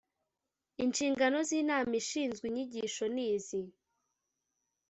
Inshingano z Inama ishinzwe inyigisho ni izi